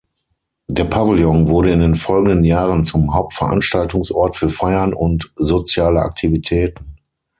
Der Pavillon wurde in den folgenden Jahren zum Hauptveranstaltungsort für Feiern und soziale Aktivitäten.